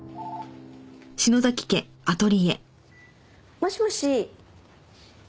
もしもし。